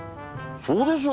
そうでしょ！